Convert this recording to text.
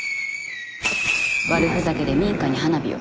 悪ふざけで民家に花火を。